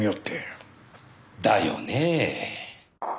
だよねぇ。